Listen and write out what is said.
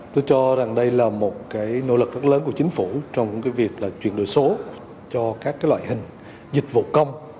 tôi cho rằng đây là một nỗ lực rất lớn của chính phủ trong việc chuyển đổi số cho các loại hình dịch vụ công